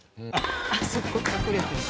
あそこ隠れてるんだ。